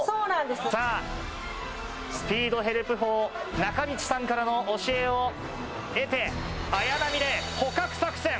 さぁスピードヘルプ法、中道さんからの教えを得て、綾波レイ捕獲作戦。